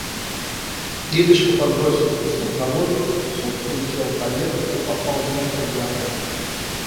Лидочка подбросила песок на воздух, песок полетел по ветру и попал няньке в глаза.